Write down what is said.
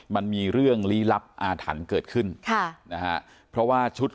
มันมีเรื่องลี้ลับอาถรรพ์เกิดขึ้นค่ะนะฮะเพราะว่าชุด